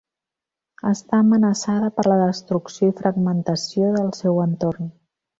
Està amenaçada per la destrucció i fragmentació del seu entorn.